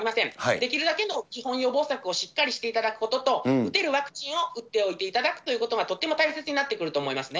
できるだけの基本予防策をしっかりしていただくことと、打てるワクチンを打っておいていただくということがとても大切になってくると思いますね。